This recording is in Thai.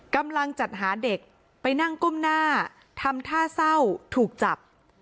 กำลังจัดหาเด็กไปนั่งก้มหน้าทำท่าเศร้าถูกจับ